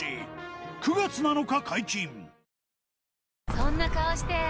そんな顔して！